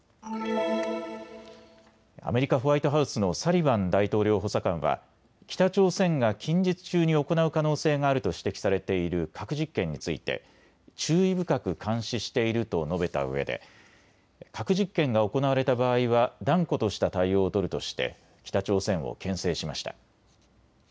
アメリカ・ホワイトハウスのサリバン大統領補佐官は北朝鮮が近日中に行う可能性があると指摘されている核実験について注意深く監視していると述べたうえで核実験が行われた場合は断固とした対応を取るとして北朝鮮をけん制しました。